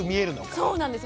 そうなんです。